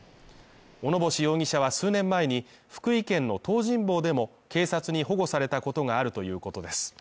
小野星容疑者は数年前に福井県の東尋坊でも、警察に保護されたことがあるということです。